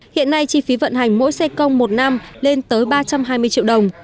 hiện nay chi phí vận hành mỗi xe công một năm lên tới ba trăm hai mươi triệu đồng